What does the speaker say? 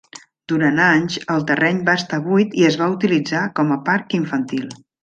Durant anys, el terreny va estar buit i es va utilitzar com a parc infantil.